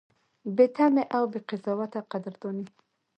بې تمې او بې قضاوته قدرداني: